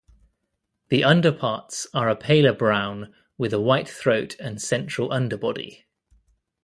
The underparts are a paler brown with a white throat and central underbody.